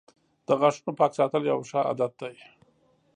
• د غاښونو پاک ساتل یوه ښه عادت دی.